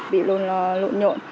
bị luôn là lộn nhộn